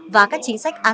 và các chính sách đề án